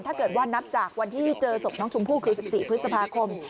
ถ้าเกิดว่านับจากวันที่เจอศพน้องชมพู่คือ๑๔พฤษภาคม